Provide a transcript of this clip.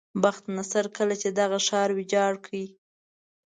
بخت نصر کله چې دغه ښار ویجاړ کړ.